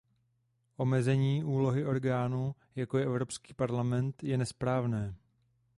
Omezení úlohy orgánu, jako je Evropský parlament, je nesprávné.